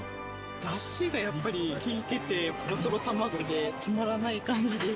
だしがやっぱり効いてて、とろとろ卵で止まらない感じです。